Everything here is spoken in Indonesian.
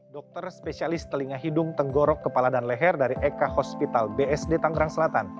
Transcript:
dokter spesialis telinga hidung tenggorok kepala dan leher dari eka hospital bsd tanggerang selatan